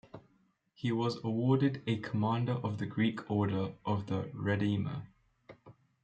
He was awarded a Commander of the Greek Order of the Redeemer.